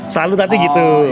selalu nanti gitu